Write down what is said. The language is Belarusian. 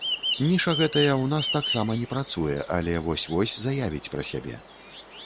Ніша гэтая ў нас таксама не працуе, але вось-вось заявіць пра сябе.